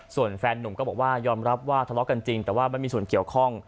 ส่วนแฟนนุ่มก็บอกว่ายอมรับว่าทะเลาะกันจริงแต่ว่าไม่มีส่วนเกี่ยวข้อง